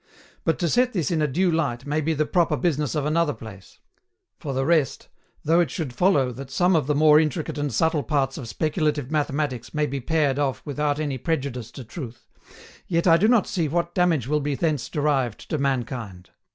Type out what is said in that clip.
But to set this in a due light may be the proper business of another place. For the rest, though it should follow that some of the more intricate and subtle parts of Speculative Mathematics may be pared off without any prejudice to truth, yet I do not see what damage will be thence derived to mankind.